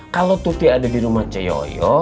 kalau tuti ada di rumah ce yoyo